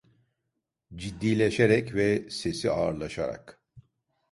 Ciddileşerek ve sesi ağırlaşarak...